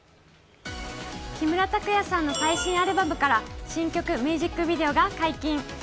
木村拓哉さんの最新アルバムから新曲ミュージックビデオが解禁。